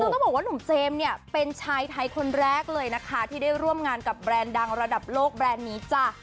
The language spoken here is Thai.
คือต้องบอกว่าหนุ่มเจมส์เนี่ยเป็นชายไทยคนแรกเลยนะคะที่ได้ร่วมงานกับแบรนด์ดังระดับโลกแบรนด์นี้จ้ะ